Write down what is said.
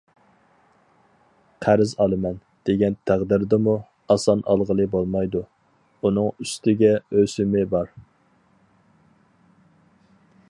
قەرز ئالىمەن دېگەن تەقدىردىمۇ، ئاسان ئالغىلى بولمايدۇ، ئۇنىڭ ئۈستىگە ئۆسۈمى بار.